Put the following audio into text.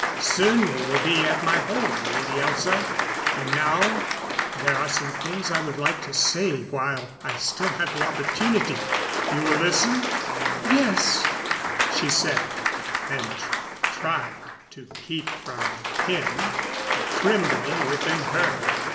"Soon we will be at my home, Lady Elza. And now there are some things I would like to say while I have the opportunity.... You will listen?" "Yes," she said; and tried to keep from him the trembling within her.